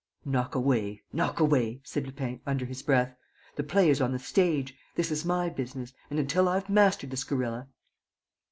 "Knock away, knock away," said Lupin, under his breath. "The play is on the stage. This is my business and, until I've mastered this gorilla...."